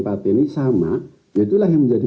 partai ini sama yaitulah yang menjadi